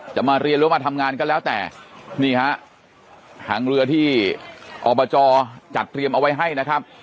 จะมาเรียนหรือมาทำงานก็แล้วแต่นี่ฮะทางเรือที่อบจจัดเตรียมเอาไว้ให้นะครับ